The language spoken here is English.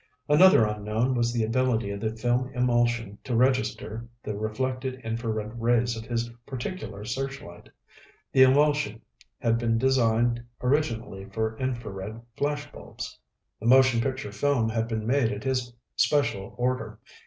Another unknown was the ability of the film emulsion to register the reflected infrared rays of his particular searchlight. The emulsion had been designed originally for infrared flash bulbs. The motion picture film had been made at his special order.